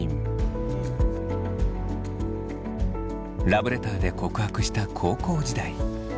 ラブレターで告白した高校時代。